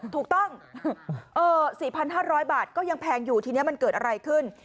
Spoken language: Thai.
ถูกต้อง๔๕๐๐บาทก็ยังแพงอยู่ทีนี้มันเกิดอะไรขึ้น